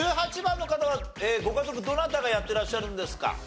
１８番の方はご家族どなたがやってらっしゃるんですか？